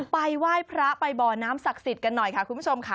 ไปไหว้พระไปบ่อน้ำศักดิ์สิทธิ์กันหน่อยค่ะคุณผู้ชมค่ะ